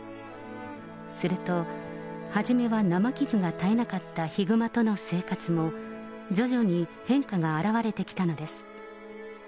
すると、初めは生傷が絶えなかったヒグマとの生活も、徐々に変化が表れてきたのです。